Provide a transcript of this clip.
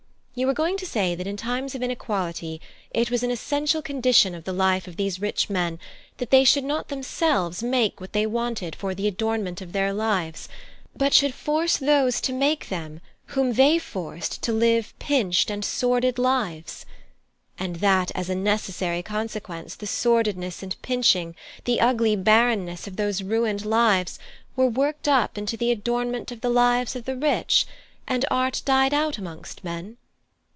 You were going to say that in times of inequality it was an essential condition of the life of these rich men that they should not themselves make what they wanted for the adornment of their lives, but should force those to make them whom they forced to live pinched and sordid lives; and that as a necessary consequence the sordidness and pinching, the ugly barrenness of those ruined lives, were worked up into the adornment of the lives of the rich, and art died out amongst men?